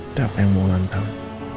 udah apa yang mau ulang tahun